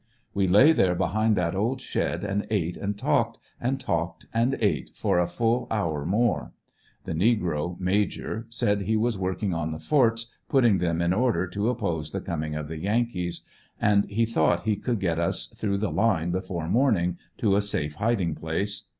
We lay there behind that old shed and ate and and talked, and talked and ate, for a full hour more The negro, "Major," said he was working on the forts, putting them in order to oppose the coming of the Yankees, and he thou.ht he could get us through the line before morning to a safe hiding place.